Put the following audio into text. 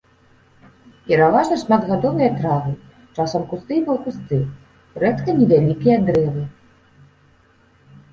Пераважна шматгадовыя травы, часам кусты і паўкусты, рэдка невялікія дрэвы.